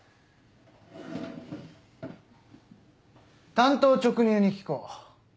単刀直入に聞こう。